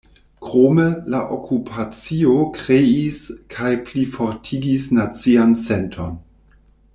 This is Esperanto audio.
Krome, la okupacio kreis kaj plifortigis nacian senton.